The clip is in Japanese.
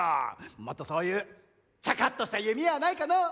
もっとそういうチャカっとした弓矢はないかのう。